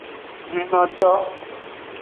Hunnoto.